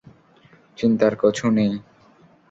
চিন্তার কছু নেই।